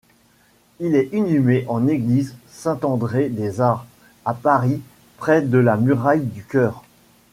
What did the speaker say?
Il est inhumé en l'église Saint-André-des-Arts, à Paris près de la muraille du chœur.